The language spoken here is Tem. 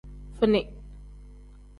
Fini.